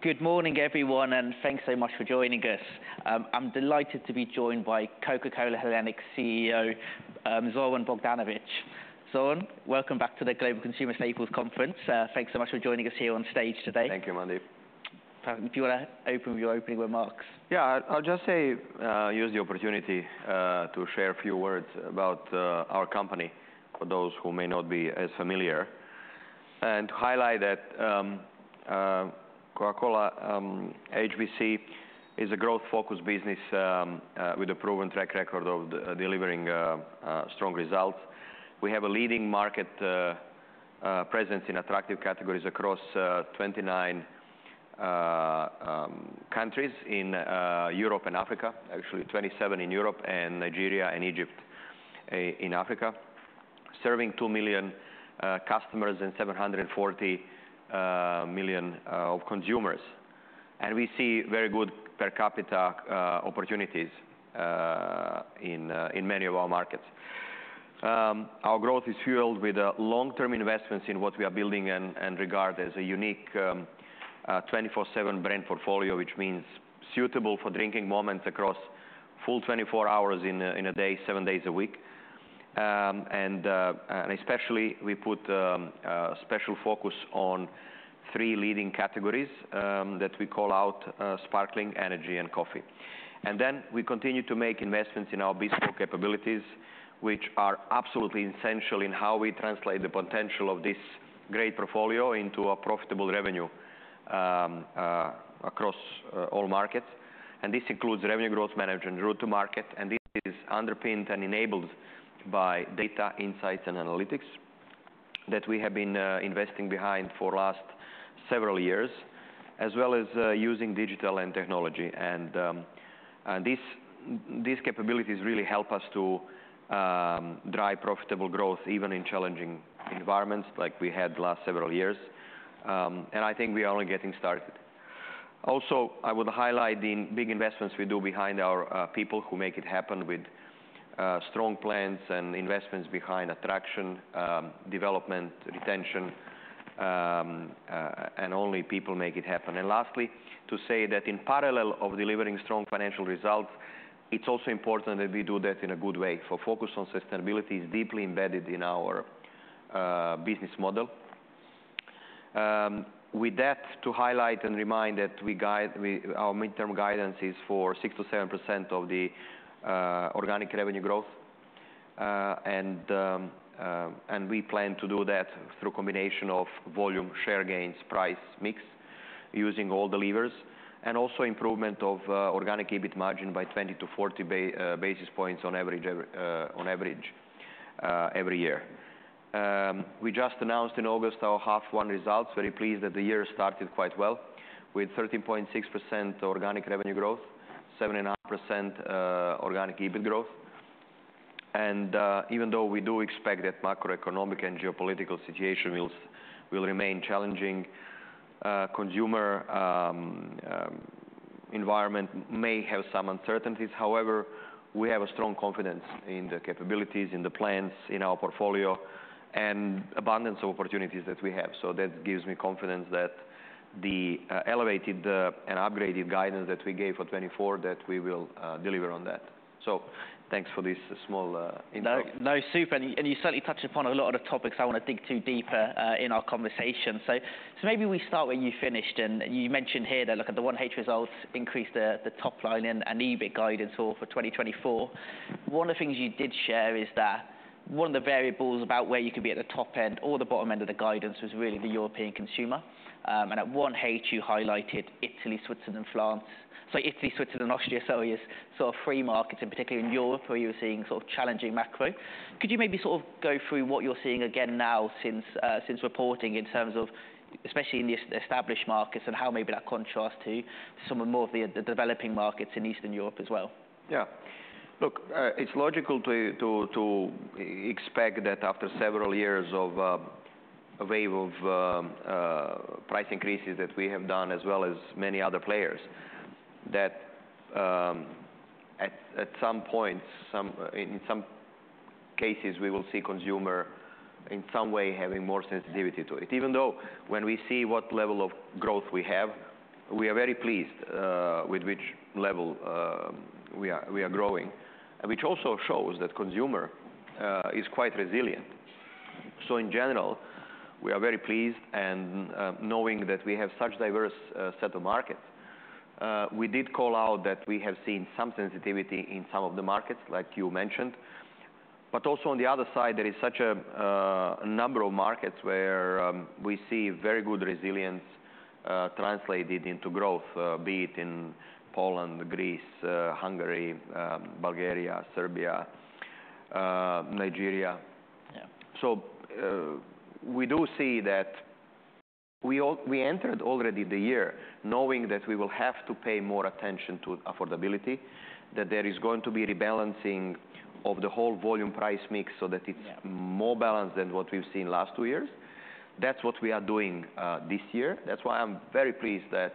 Good morning, everyone, and thanks so much for joining us. I'm delighted to be joined by Coca-Cola Hellenic CEO, Zoran Bogdanovic. Zoran, welcome back to the Global Consumer Staples Conference. Thanks so much for joining us here on stage today. Thank you, Mandeep. If you wanna open with your opening remarks. Yeah, I'll just say, use the opportunity to share a few words about our company, for those who may not be as familiar, and highlight that Coca-Cola HBC is a growth-focused business with a proven track record of delivering strong results. We have a leading market presence in attractive categories across 29 countries in Europe and Africa. Actually, 27 in Europe, and Nigeria and Egypt in Africa. Serving 2 million customers and 740 million of consumers, and we see very good per capita opportunities in many of our markets. Our growth is fueled with long-term investments in what we are building and regard as a unique 24/7 brand portfolio, which means suitable for drinking moments across full 24 hours in a day, seven days a week. And especially, we put a special focus on three leading categories that we call out, sparkling, energy, and coffee. And then we continue to make investments in our bespoke capabilities, which are absolutely essential in how we translate the potential of this great portfolio into a profitable revenue across all markets. And this includes revenue growth management and route to market, and this is underpinned and enabled by data insights and analytics that we have been investing behind for last several years, as well as using digital and technology. These capabilities really help us to drive profitable growth, even in challenging environments like we had last several years. I think we are only getting started. Also, I would highlight the big investments we do behind our people who make it happen with strong plans and investments behind attraction, development, retention, and only people make it happen. Lastly, to say that in parallel with delivering strong financial results, it's also important that we do that in a good way. Our focus on sustainability is deeply embedded in our business model. With that, to highlight and remind that our midterm guidance is for 6%-7% organic revenue growth. And we plan to do that through a combination of volume, share gains, price, mix, using all the levers, and also improvement of organic EBIT margin by 20-40 basis points on average every year. We just announced in August our half one results. Very pleased that the year started quite well, with 13.6% organic revenue growth, 7.5% organic EBIT growth, and even though we do expect that macroeconomic and geopolitical situation will remain challenging, consumer environment may have some uncertainties. However, we have a strong confidence in the capabilities, in the plans, in our portfolio, and abundance of opportunities that we have. So that gives me confidence that the elevated and upgraded guidance that we gave for 2024, that we will deliver on that. So thanks for this small intro. No, no, super, and you certainly touched upon a lot of the topics I want to dig into deeper in our conversation. So maybe we start where you finished, and you mentioned here that, look, at the 1H results, increased the top line and EBIT guidance all for 2024. One of the things you did share is that one of the variables about where you could be at the top end or the bottom end of the guidance was really the European consumer, and at 1H, you highlighted Italy, Switzerland, and France. Sorry, Italy, Switzerland, and Austria, so yes, three markets in particular in Europe, where you were seeing sort of challenging macro. Could you maybe sort of go through what you're seeing again now since reporting, in terms of especially in the established markets, and how maybe that contrasts to some of the more developing markets in Eastern Europe as well? Yeah. Look, it's logical to expect that after several years of a wave of price increases that we have done, as well as many other players, that at some point, in some cases, we will see consumer, in some way, having more sensitivity to it. Even though when we see what level of growth we have, we are very pleased with which level we are growing. Which also shows that consumer is quite resilient. So in general, we are very pleased and knowing that we have such diverse set of markets, we did call out that we have seen some sensitivity in some of the markets, like you mentioned. But also on the other side, there is such a number of markets where we see very good resilience translated into growth, be it in Poland, Greece, Hungary, Bulgaria, Serbia, Nigeria. We do see that we entered already the year knowing that we will have to pay more attention to affordability, that there is going to be rebalancing of the whole volume price mix, so that it's more balanced than what we've seen last two years. That's what we are doing this year. That's why I'm very pleased that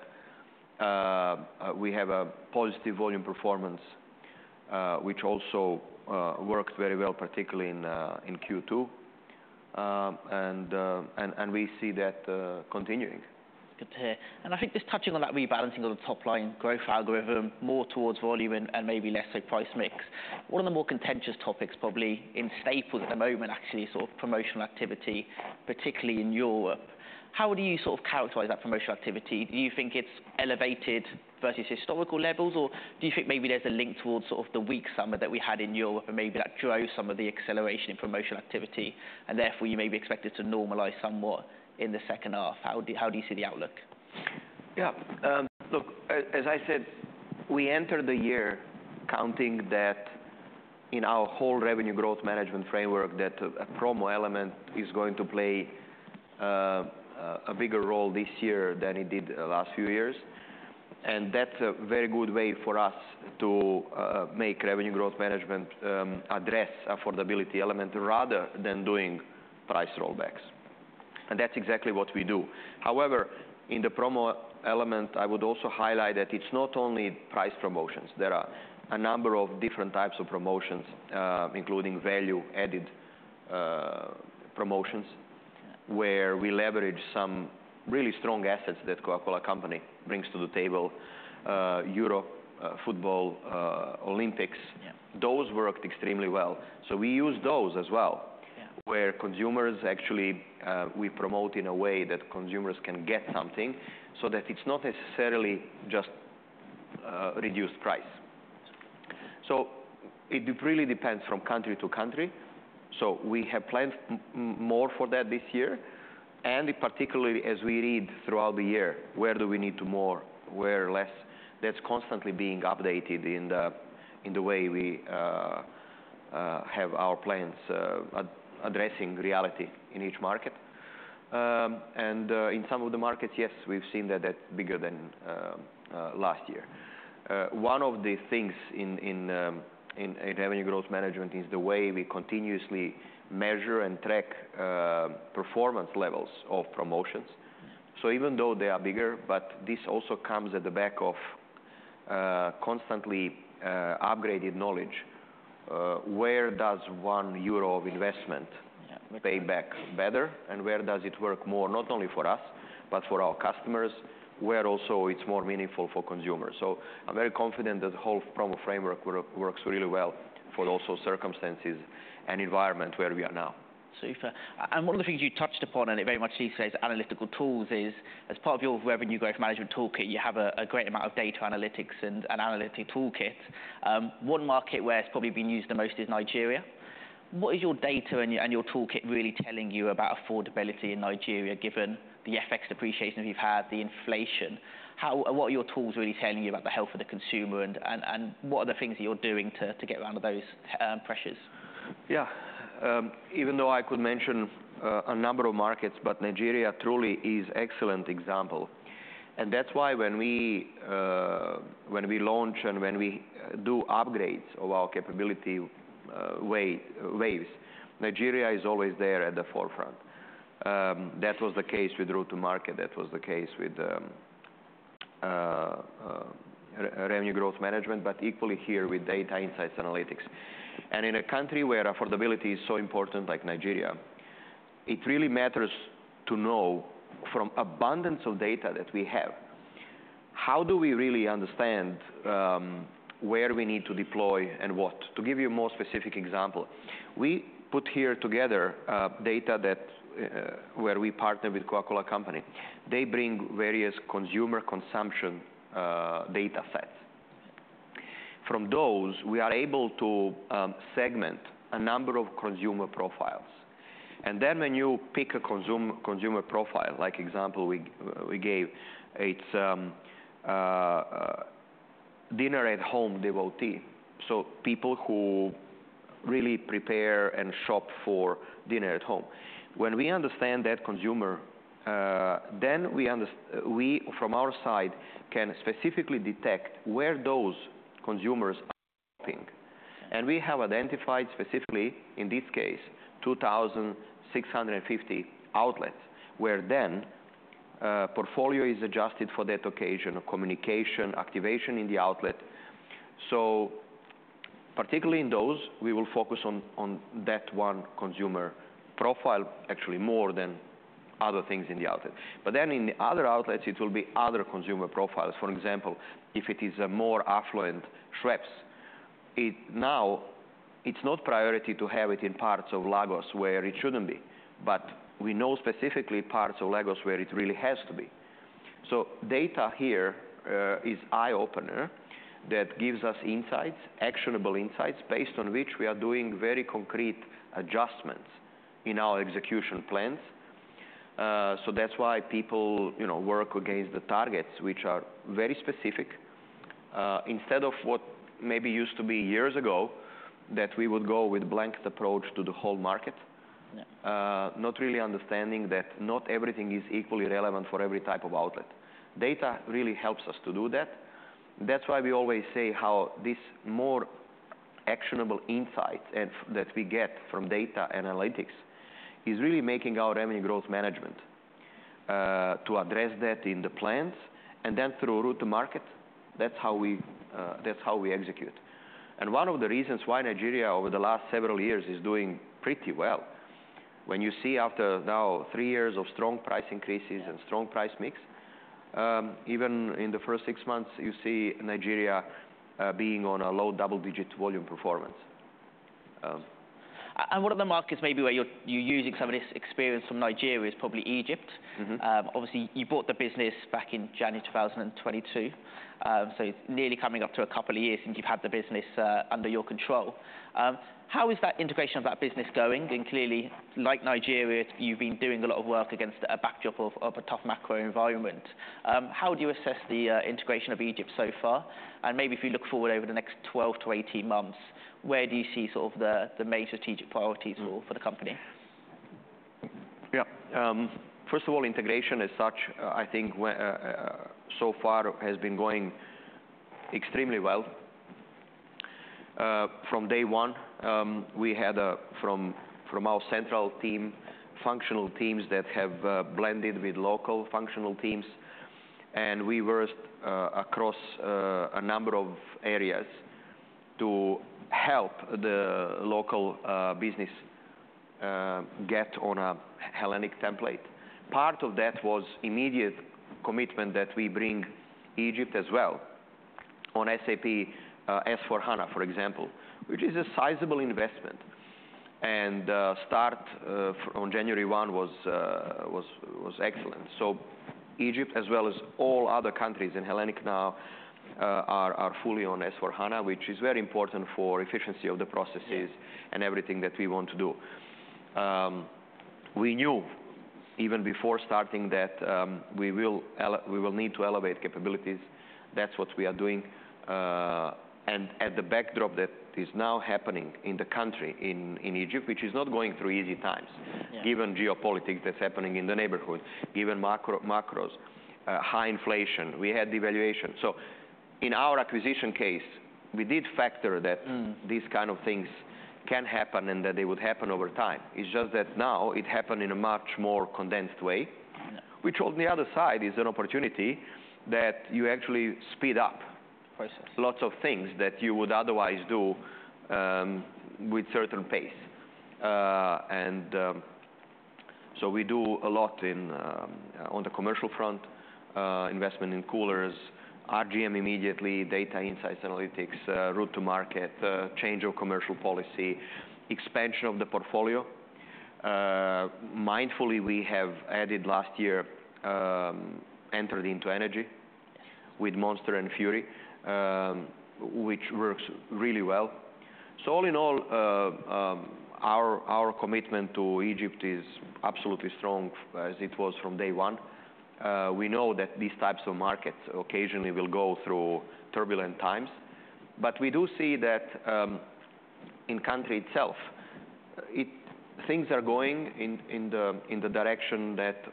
we have a positive volume performance, which also works very well, particularly in Q2. And we see that continuing. Good to hear, and I think just touching on that rebalancing of the top line growth algorithm, more towards volume and maybe less, say, price mix. One of the more contentious topics probably in Staples at the moment, actually, is sort of promotional activity, particularly in Europe. How would you sort of characterize that promotional activity? Do you think it's elevated versus historical levels, or do you think maybe there's a link towards sort of the weak summer that we had in Europe, and maybe that drove some of the acceleration in promotional activity, and therefore, you may be expected to normalize somewhat in the second half? How do you see the outlook? Yeah. Look, as I said, we entered the year counting that in our whole revenue growth management framework, that a promo element is going to play a bigger role this year than it did the last few years. And that's a very good way for us to make revenue growth management address affordability element, rather than doing price rollbacks. And that's exactly what we do. However, in the promo element, I would also highlight that it's not only price promotions. There are a number of different types of promotions, including value-added promotions, where we leverage some really strong assets that Coca-Cola Company brings to the table. Europe, football, Olympics. Those worked extremely well. So we use those as well. Where consumers actually we promote in a way that consumers can get something, so that it's not necessarily just reduced price. So it really depends from country to country. So we have planned more for that this year, and particularly as we read throughout the year, where do we need to more, where less? That's constantly being updated in the way we have our plans addressing reality in each market. And in some of the markets, yes, we've seen that that's bigger than last year. One of the things in revenue growth management is the way we continuously measure and track performance levels of promotions. So even though they are bigger, but this also comes at the back of constantly upgraded knowledge. Where does one euro of investment pay back better, and where does it work more, not only for us, but for our customers, where also it's more meaningful for consumers? So I'm very confident that the whole promo framework works really well for those circumstances and environment where we are now. Super. And one of the things you touched upon, and it very much illustrates analytical tools is, as part of your revenue growth management toolkit, you have a great amount of data analytics and analytic toolkit. One market where it's probably been used the most is Nigeria. What is your data and your toolkit really telling you about affordability in Nigeria, given the FX depreciation that you've had, the inflation? What are your tools really telling you about the health of the consumer and what are the things you're doing to get around those pressures? Yeah. Even though I could mention a number of markets, but Nigeria truly is excellent example. And that's why when we launch and when we do upgrades of our capability, waves, Nigeria is always there at the forefront. That was the case with route to market, that was the case with revenue growth management, but equally here with data insights analytics. And in a country where affordability is so important, like Nigeria, it really matters to know from abundance of data that we have, how do we really understand where we need to deploy and what? To give you a more specific example, we put here together data that where we partner with Coca-Cola Company. They bring various consumer consumption data sets. From those, we are able to segment a number of consumer profiles. And then when you pick a consumer profile, like example we gave, it's dinner-at-home devotee, so people who really prepare and shop for dinner at home. When we understand that consumer, then we, from our side, can specifically detect where those consumers are shopping. We have identified specifically, in this case, 2,650 outlets, where then portfolio is adjusted for that occasion of consumption, activation in the outlet. So particularly in those, we will focus on that one consumer profile, actually, more than other things in the outlet. But then in the other outlets, it will be other consumer profiles. For example, if it is a more affluent suburbs, it's not a priority to have it in parts of Lagos where it shouldn't be. But we know specifically parts of Lagos where it really has to be. So data here is eye-opener that gives us insights, actionable insights, based on which we are doing very concrete adjustments in our execution plans. So that's why people, you know, work against the targets, which are very specific, instead of what maybe used to be years ago, that we would go with blanket approach to the whole market. Not really understanding that not everything is equally relevant for every type of outlet. Data really helps us to do that. That's why we always say how this more actionable insight and, that we get from data analytics, is really making our revenue growth management to address that in the plans and then through route to market, that's how we, that's how we execute. And one of the reasons why Nigeria, over the last several years, is doing pretty well, when you see after now three years of strong price increases and strong price mix, even in the first six months, you see Nigeria being on a low double-digit volume performance. One of the markets maybe where you're, you're using some of this experience from Nigeria is probably Egypt. Obviously, you bought the business back in January 2022, so nearly coming up to a couple of years since you've had the business under your control. How is that integration of that business going, and clearly, like Nigeria, you've been doing a lot of work against a backdrop of a tough macro environment. How do you assess the integration of Egypt so far, and maybe if you look forward over the next 12-18 months, where do you see sort of the major strategic priorities for the company? Yeah. First of all, integration as such, I think, so far has been going extremely well. From day one, we had, from our central team, functional teams that have blended with local functional teams, and we worked across a number of areas to help the local business get on a Hellenic template. Part of that was immediate commitment that we bring Egypt as well on SAP S/4HANA, for example, which is a sizable investment. And start on January one was excellent. So Egypt, as well as all other countries, and Hellenic now are fully on S/4HANA, which is very important for efficiency of the processes and everything that we want to do. We knew even before starting that we will need to elevate capabilities. That's what we are doing, and at the backdrop that is now happening in the country, in Egypt, which is not going through easy times. Given geopolitics that's happening in the neighborhood, given macros, high inflation, we had devaluation. So in our acquisition case, we did factor that these kind of things can happen and that they would happen over time. It's just that now it happened in a much more condensed way. Which on the other side, is an opportunity that you actually speed up lots of things that you would otherwise do with certain pace. And so we do a lot in on the commercial front, investment in coolers, RGM immediately, data insights, analytics, route to market, change of commercial policy, expansion of the portfolio. Mindfully, we have added last year, entered into energy with Monster and Fury, which works really well. So all-in-all, our commitment to Egypt is absolutely strong, as it was from day one. We know that these types of markets occasionally will go through turbulent times, but we do see that, in country itself, it-- things are going in the direction that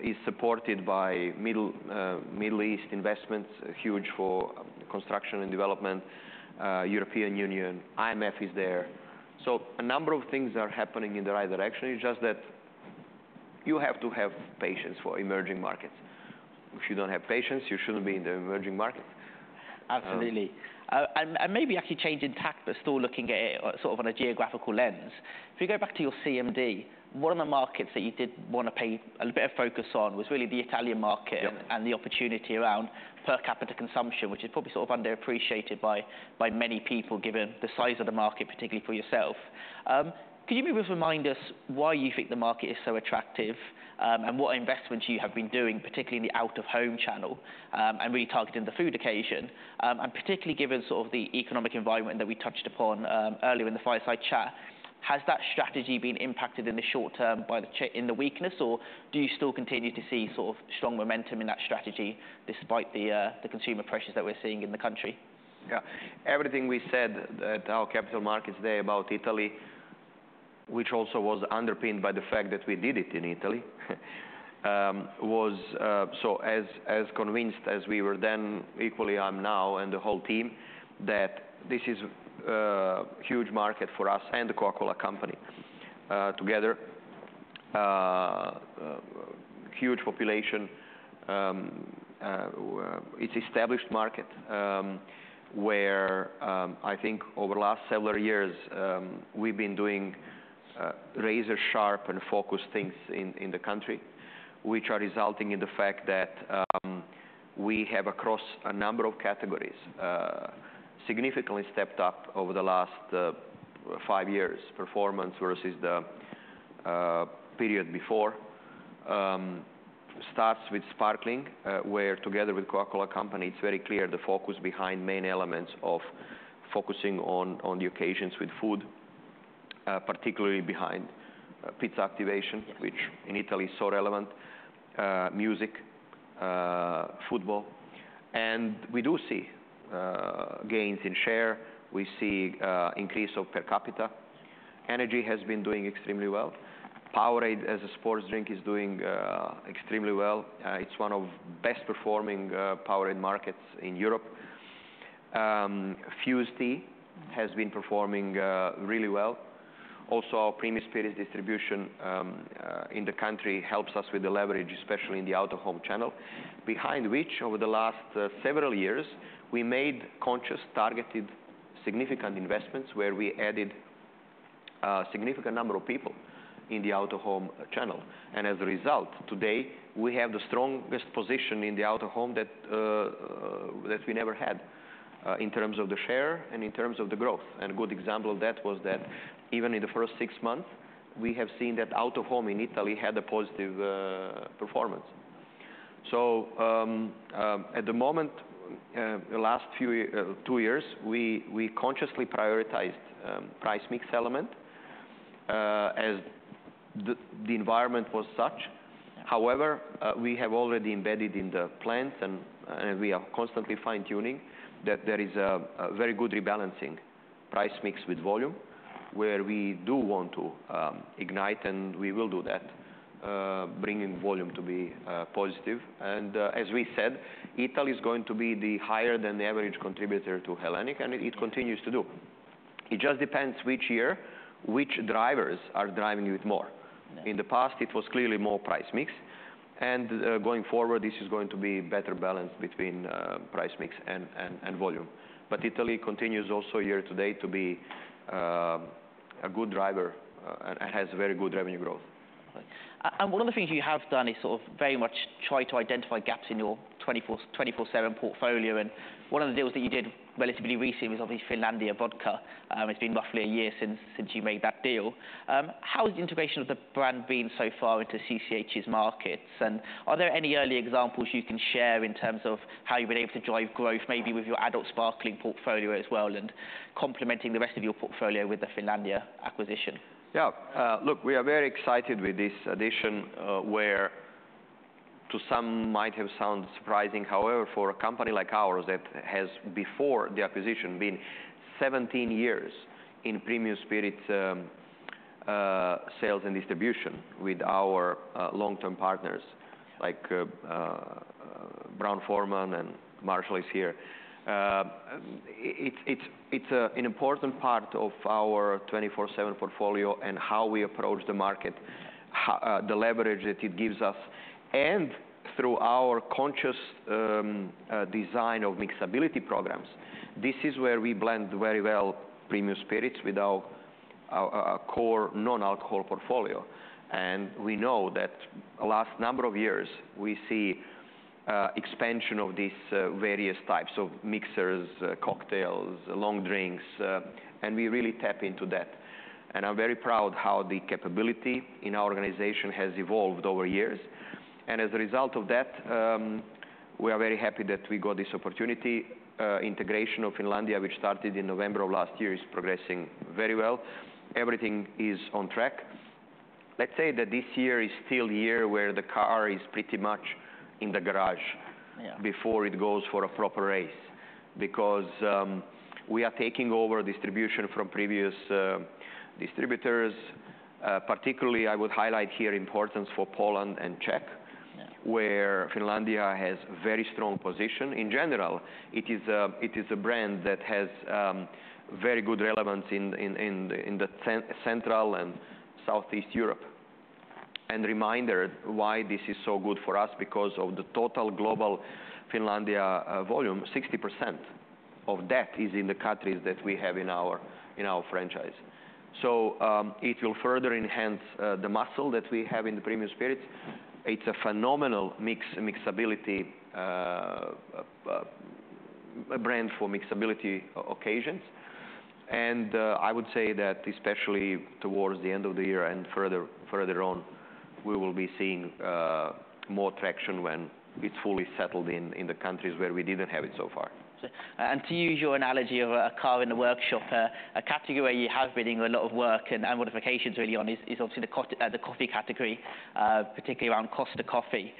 is supported by Middle East investments, huge for construction and development, European Union, IMF is there. So a number of things are happening in the right direction. It's just that you have to have patience for emerging markets. If you don't have patience, you shouldn't be in the emerging market. Maybe actually changing tack, but still looking at it sort of on a geographical lens. If you go back to your CMD, one of the markets that you did want to pay a little bit of focus on was really the Italian market-and the opportunity around per capita consumption, which is probably sort of underappreciated by many people, given the size of the market, particularly for yourself. Could you maybe just remind us why you think the market is so attractive, and what investments you have been doing, particularly in the out-of-home channel, and really targeting the food occasion? And particularly given sort of the economic environment that we touched upon earlier in the fireside chat, has that strategy been impacted in the short term by the change in the weakness, or do you still continue to see sort of strong momentum in that strategy despite the consumer pressures that we're seeing in the country? Yeah. Everything we said at our Capital Markets Day about Italy, which also was underpinned by the fact that we did it in Italy, was so as convinced as we were then, equally I'm now, and the whole team, that this is a huge market for us and The Coca-Cola Company, huge population, it's established market, where I think over the last several years, we've been doing razor-sharp and focused things in the country, which are resulting in the fact that we have across a number of categories, significantly stepped up over the last five years, performance versus the period before. Starts with sparkling, where together with Coca-Cola Company, it's very clear the focus behind main elements of focusing on the occasions with food, particularly behind pizza activation which in Italy is so relevant. Music, football, and we do see gains in share. We see increase of per capita. Energy has been doing extremely well. Powerade, as a sports drink, is doing extremely well. It's one of best performing Powerade markets in Europe. Fuze Tea has been performing really well. Also, our premium spirits distribution in the country helps us with the leverage, especially in the out-of-home channel. Behind which, over the last several years, we made conscious, targeted, significant investments, where we added a significant number of people in the out-of-home channel. And as a result, today, we have the strongest position in the out-of-home that we never had in terms of the share and in terms of the growth. And a good example of that was that even in the first six months, we have seen that out-of-home in Italy had a positive performance. So, at the moment, the last two years, we consciously prioritized price mix element as the environment was such. However, we have already embedded in the plans, and we are constantly fine-tuning, that there is a very good rebalancing price mix with volume, where we do want to ignite, and we will do that, bringing volume to be positive. And, as we said, Italy is going to be the higher than the average contributor to Hellenic, and it continues to do. It just depends which year, which drivers are driving it more. In the past, it was clearly more price mix, and going forward, this is going to be better balanced between price mix and volume. But Italy continues also here today to be a good driver, and has very good revenue growth. And one of the things you have done is sort of very much try to identify gaps in your 24/7 portfolio, and one of the deals that you did relatively recently was obviously Finlandia Vodka. It's been roughly a year since you made that deal. How has the integration of the brand been so far into CCH's markets, and are there any early examples you can share in terms of how you've been able to drive growth, maybe with your adult sparkling portfolio as well, and complementing the rest of your portfolio with the Finlandia acquisition? Yeah. Look, we are very excited with this addition, where to some might have sounded surprising. However, for a company like ours, that has, before the acquisition, been 17 years in premium spirits, sales and distribution with our long-term partners, like, Brown-Forman and Marshall is here. It's a an important part of our 24/7 portfolio and how we approach the market, the leverage that it gives us. And through our conscious design of mixability programs, this is where we blend very well premium spirits with our core non-alcohol portfolio. And we know that the last number of years, we see expansion of these various types of mixers, cocktails, long drinks, and we really tap into that. I'm very proud how the capability in our organization has evolved over years, and as a result of that, we are very happy that we got this opportunity. Integration of Finlandia, which started in November of last year, is progressing very well. Everything is on track. Let's say that this year is still the year where the car is pretty much in the garage before it goes for a proper race, because we are taking over distribution from previous distributors. Particularly, I would highlight here importance for Poland and Czech where Finlandia has very strong position. In general, it is a brand that has very good relevance in Central and Southeast Europe, and reminder, why this is so good for us, because of the total global Finlandia volume, 60% of that is in the countries that we have in our franchise. So it will further enhance the muscle that we have in the premium spirits. It's a phenomenal mixability, a brand for mixability occasions, and I would say that especially towards the end of the year and further on, we will be seeing more traction when it's fully settled in the countries where we didn't have it so far. To use your analogy of a car in the workshop, a category where you have been doing a lot of work and modifications really, one is obviously the coffee category, particularly around Costa Coffee.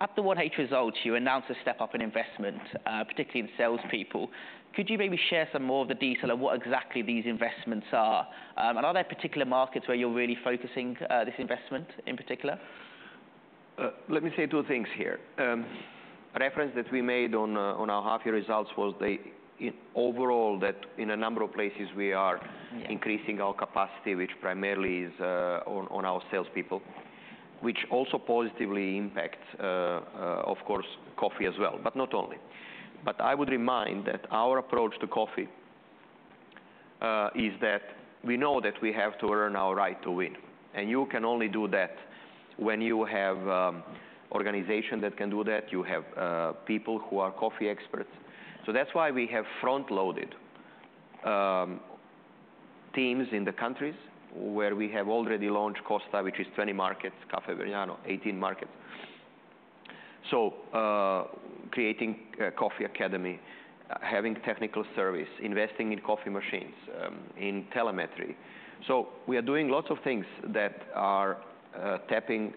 At the one H results, you announced a step up in investment, particularly in salespeople. Could you maybe share some more of the detail on what exactly these investments are? Are there particular markets where you're really focusing this investment in particular? Let me say two things here. Reference that we made on our half-year results was the overall that in a number of places, we are increasing our capacity, which primarily is on our salespeople, which also positively impacts of course coffee as well, but not only. But I would remind that our approach to coffee is that we know that we have to earn our right to win, and you can only do that when you have organization that can do that, you have people who are coffee experts. So that's why we have front-loaded teams in the countries where we have already launched Costa, which is 20 markets, Caffè Vergnano, 18 markets. So creating a coffee academy, having technical service, investing in coffee machines, in telemetry. So we are doing lots of things that are tapping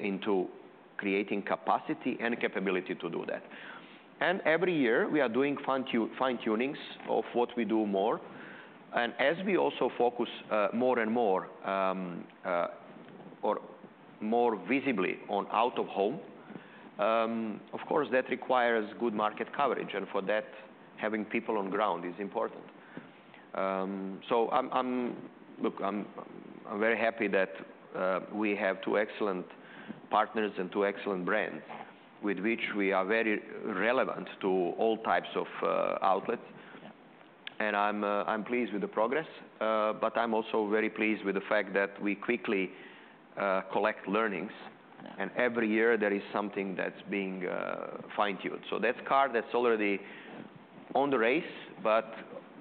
into creating capacity and capability to do that. And every year, we are doing fine-tunings of what we do more. And as we also focus more and more, or more visibly on out-of-home. Of course, that requires good market coverage, and for that, having people on ground is important. So I'm very happy that we have two excellent partners and two excellent brands, with which we are very relevant to all types of outlets. And I'm pleased with the progress, but I'm also very pleased with the fact that we quickly collect learnings. Every year there is something that's being fine-tuned. So that car that's already on the race, but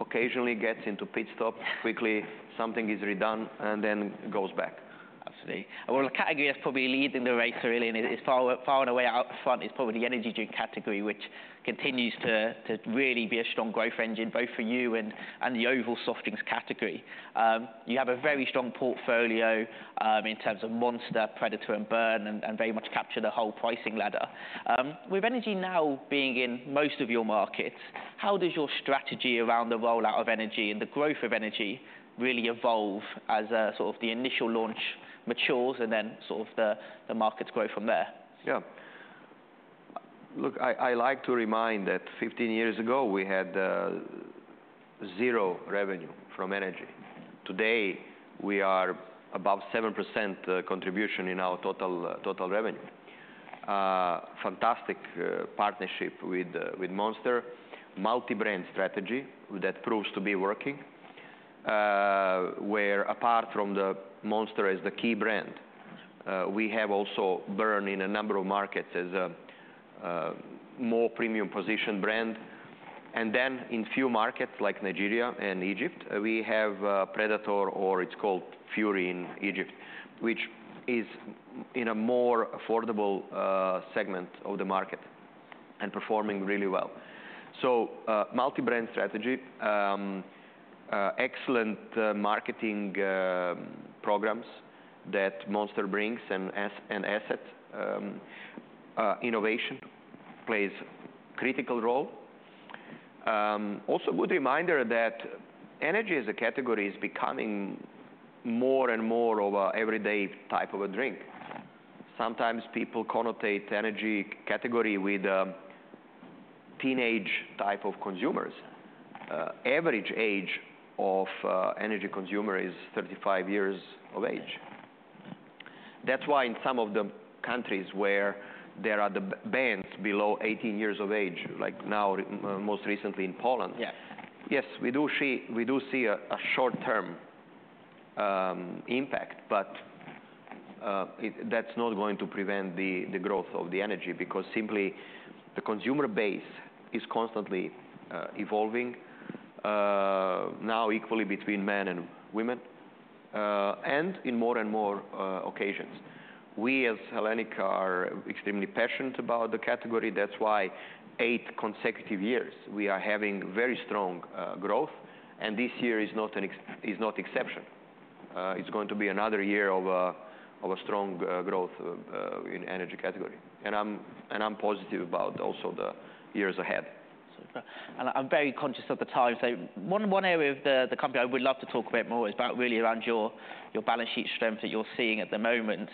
occasionally gets into pit stop quickly, something is redone, and then goes back. Absolutely. And one of the categories probably leading the race, really, and it is far, far away out front, is probably the energy drink category, which continues to really be a strong growth engine, both for you and the overall soft drinks category. You have a very strong portfolio in terms of Monster, Predator, and Burn, and very much capture the whole pricing ladder. With energy now being in most of your markets, how does your strategy around the rollout of energy and the growth of energy really evolve as sort of the initial launch matures, and then sort of the markets grow from there? Yeah. Look, I like to remind that 15 years ago, we had zero revenue from energy. Today, we are above 7% contribution in our total revenue. Fantastic partnership with Monster. Multi-brand strategy that proves to be working, where apart from the Monster as the key brand, we have also Burn in a number of markets as a more premium position brand. And then in few markets like Nigeria and Egypt, we have Predator, or it's called Fury in Egypt, which is in a more affordable segment of the market, and performing really well. So, multi-brand strategy, excellent marketing programs that Monster brings, and as an asset. Innovation plays critical role. Also good reminder that Energy as a category is becoming more and more of an everyday type of a drink. Sometimes people connote Energy category with teenage type of consumers. Average age of Energy consumer is 35 years of age. That's why in some of the countries where there are the bans below 18 years of age, like now, most recently in Poland- Yes, we do see a short-term impact, but it's not going to prevent the growth of the Energy, because simply the consumer base is constantly evolving now equally between men and women and in more and more occasions. We, as Hellenic, are extremely passionate about the category. That's why eight consecutive years, we are having very strong growth, and this year is not an exception. It's going to be another year of a strong growth in Energy category. And I'm positive about also the years ahead. I'm very conscious of the time. So one area of the company I would love to talk about more is about really around your balance sheet strength that you're seeing at the moment.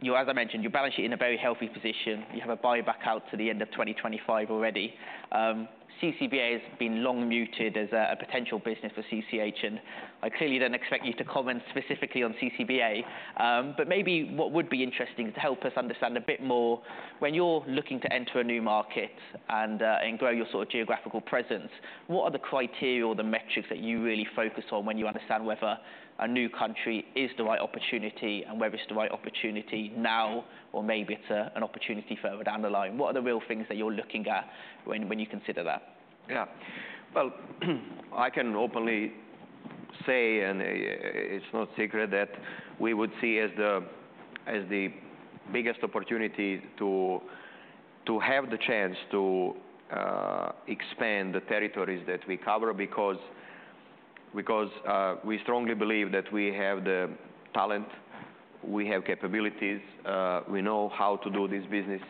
You, as I mentioned, your balance sheet in a very healthy position. You have a buyback out to the end of 2025 already. CCBA has been long muted as a potential business for CCH, and I clearly don't expect you to comment specifically on CCBA. But maybe what would be interesting to help us understand a bit more, when you're looking to enter a new market and grow your sort of geographical presence, what are the criteria or the metrics that you really focus on when you understand whether a new country is the right opportunity, and whether it's the right opportunity now, or maybe it's an opportunity further down the line? What are the real things that you're looking at when you consider that? Yeah. Well, I can openly say, and it's no secret, that we would see as the biggest opportunity to have the chance to expand the territories that we cover, because we strongly believe that we have the talent, we have capabilities, we know how to do this business,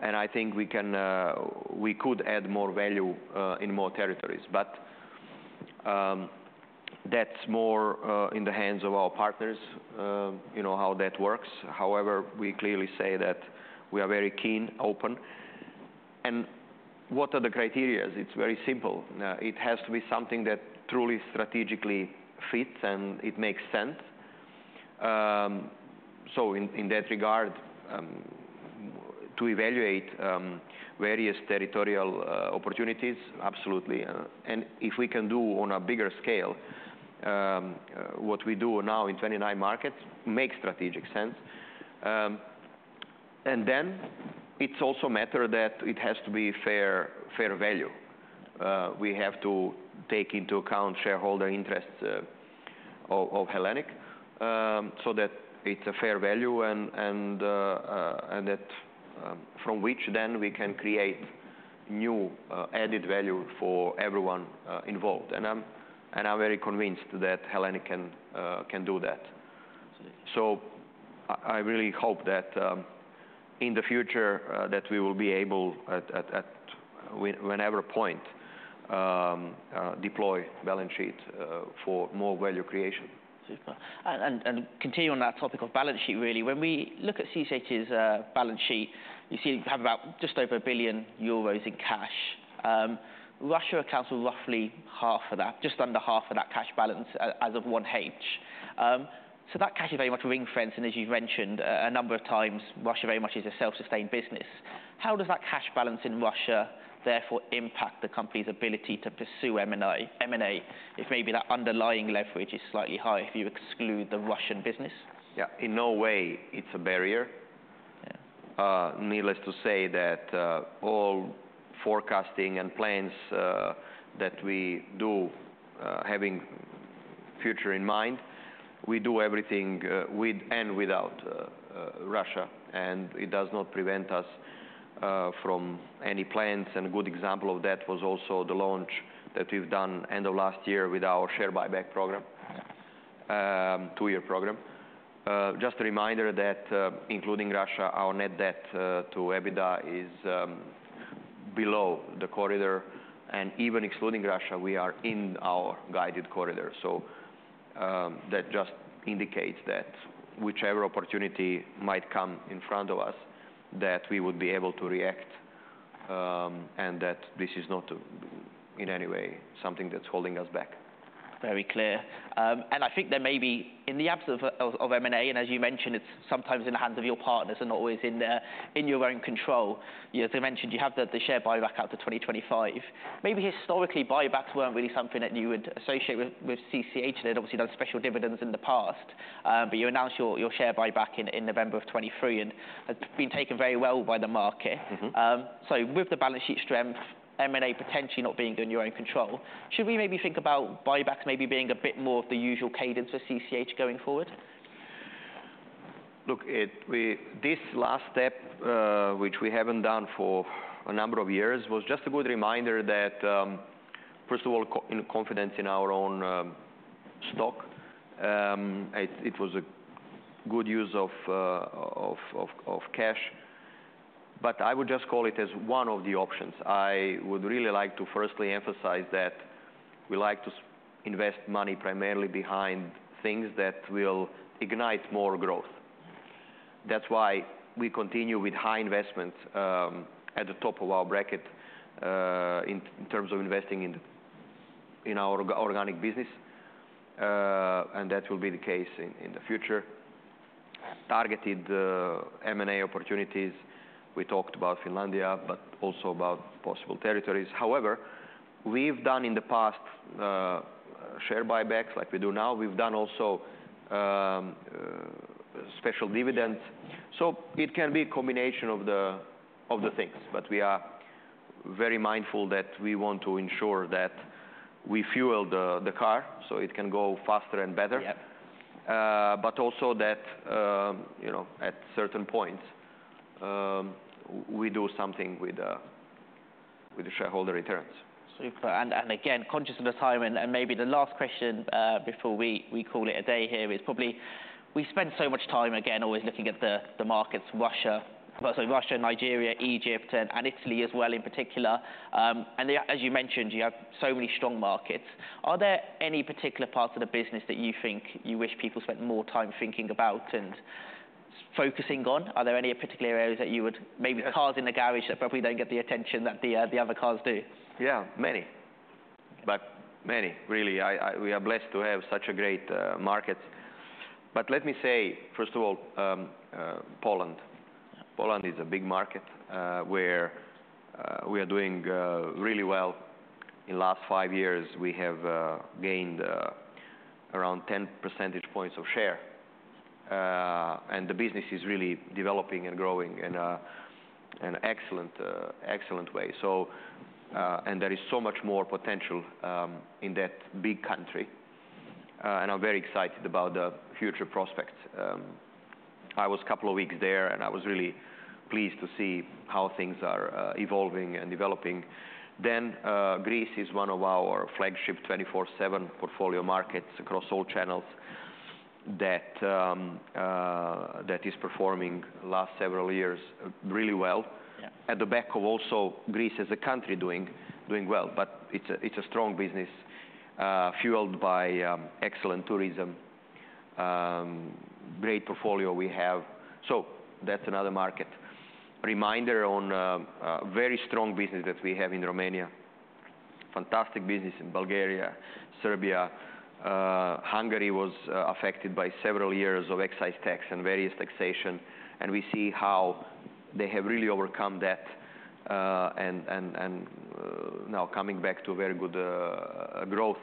and I think we can, we could add more value in more territories. But that's more in the hands of our partners, you know how that works. However, we clearly say that we are very keen, open. And what are the criteria? It's very simple. It has to be something that truly strategically fits, and it makes sense. So in that regard to evaluate various territorial opportunities, absolutely. And if we can do on a bigger scale what we do now in 29 markets, makes strategic sense. And then it's also a matter that it has to be fair value. We have to take into account shareholder interests of Hellenic so that it's a fair value, and that from which then we can create new added value for everyone involved. And I'm very convinced that Hellenic can do that. I really hope that in the future we will be able to, at whatever point, deploy balance sheet for more value creation. Super. And continue on that topic of balance sheet, really. When we look at CCH's balance sheet, you see you have about just over 1 billion euros in cash. Russia accounts for roughly half of that, just under half of that cash balance, as of 1H. So that cash is very much ring-fenced, and as you've mentioned, a number of times, Russia very much is a self-sustained business. How does that cash balance in Russia therefore impact the company's ability to pursue M&A, if maybe that underlying leverage is slightly high, if you exclude the Russian business? Yeah. In no way it's a barrier. Needless to say that all forecasting and plans that we do, having future in mind, we do everything with and without Russia, and it does not prevent us from any plans. A good example of that was also the launch that we've done end of last year with our share buyback program, two-year program. Just a reminder that including Russia, our net debt to EBITDA is below the corridor, and even excluding Russia, we are in our guided corridor. That just indicates that whichever opportunity might come in front of us, that we would be able to react, and that this is not, in any way, something that's holding us back. Very clear, and I think there may be, in the absence of M&A, and as you mentioned, it's sometimes in the hands of your partners and not always in your own control. As you mentioned, you have the share buyback out to 2025. Maybe historically, buybacks weren't really something that you would associate with CCH. They'd obviously done special dividends in the past, but you announced your share buyback in November of 2023, and it's been taken very well by the market. With the balance sheet strength, M&A potentially not being in your own control, should we maybe think about buybacks maybe being a bit more of the usual cadence for CCH going forward? Look, this last step, which we haven't done for a number of years, was just a good reminder that, first of all, confidence in our own stock. It was a good use of cash. But I would just call it as one of the options. I would really like to firstly emphasize that we like to invest money primarily behind things that will ignite more growth. That's why we continue with high investments, at the top of our bracket, in terms of investing in our organic business, and that will be the case in the future. Targeted M&A opportunities, we talked about Finlandia, but also about possible territories. However, we've done in the past share buybacks, like we do now. We've done also special dividends. So it can be a combination of the things, but we are very mindful that we want to ensure that we fuel the car so it can go faster and better. But also that, you know, at certain points, we do something with the, with the shareholder returns. Super. And again, conscious of the time, and maybe the last question before we call it a day here is probably, we spent so much time, again, always looking at the markets, Russia. Well, sorry, Russia, Nigeria, Egypt, and Italy as well, in particular. And as you mentioned, you have so many strong markets. Are there any particular parts of the business that you think you wish people spent more time thinking about and focusing on? Are there any particular areas that you would—maybe cars in the garage that probably don't get the attention that the other cars do? Yeah, many. But many, really. We are blessed to have such a great market. But let me say, first of all, Poland. Poland is a big market where we are doing really well. In last five years, we have gained around 10 percentage points of share. And the business is really developing and growing in an excellent way. So, and there is so much more potential in that big country, and I'm very excited about the future prospects. I was a couple of weeks there, and I was really pleased to see how things are evolving and developing. Then, Greece is one of our flagship 24/7 portfolio markets across all channels that is performing last several years really well. At the back of also, Greece as a country doing well. But it's a strong business fueled by excellent tourism. Great portfolio we have. So that's another market. Reminder on a very strong business that we have in Romania. Fantastic business in Bulgaria, Serbia. Hungary was affected by several years of excise tax and various taxation, and we see how they have really overcome that and now coming back to very good growth.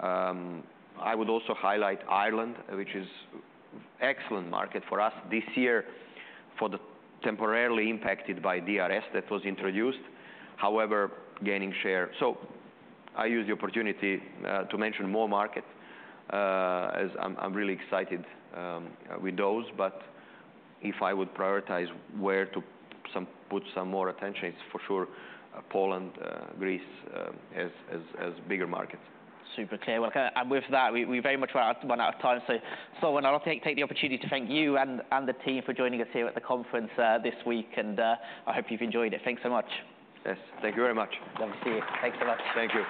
I would also highlight Ireland, which is excellent market for us this year, for the temporarily impacted by DRS that was introduced. However, gaining share. So I use the opportunity to mention more market as I'm really excited with those. But if I would prioritize where to put some more attention, it's for sure Poland, Greece, as bigger markets. Super clear. With that, we very much have run out of time. I'll take the opportunity to thank you and the team for joining us here at the conference this week, and I hope you've enjoyed it. Thanks so much. Yes, thank you very much. Glad to see you. Thanks so much. Thank you.